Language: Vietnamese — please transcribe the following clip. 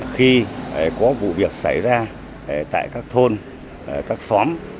khi có vụ việc xảy ra tại các thôn các xóm